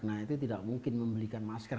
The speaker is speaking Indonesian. nah itu tidak mungkin membelikan masker